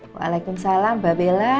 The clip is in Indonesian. waalaikumsalam mbak bella